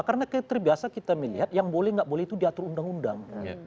karena terbiasa kita melihat yang boleh atau tidak itu diatur undang undang